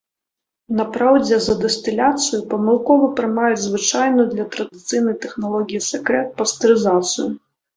На праўдзе за дыстыляцыю памылкова прымаюць звычайную для традыцыйнай тэхналогіі сакэ пастэрызацыю.